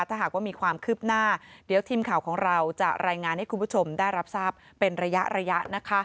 ถ้าหากว่ามีความคืบหน้าเดี๋ยวทีมข่าวของเราจะรายงานให้คุณผู้ชมได้รับทราบเป็นระยะ